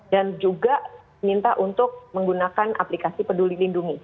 dan juga minta untuk menggunakan aplikasi peduli lindungi